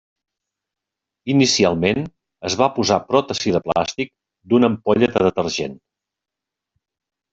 Inicialment, es va posar pròtesi de plàstic d'una ampolla de detergent.